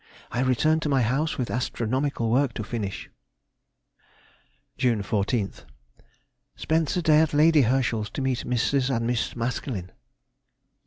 I returned to my house with astronomical work to finish. June 14th.—Spent the day at Lady Herschel's to meet Mrs. and Miss Maskelyne.